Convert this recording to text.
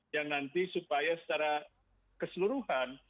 yang nanti supaya secara keseluruhan